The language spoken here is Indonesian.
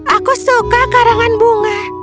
aku suka karangan bunga